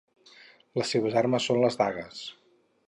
Les seves armes són les dagues.